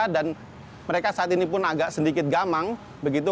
dan mereka saat ini pun agak sedikit gamang begitu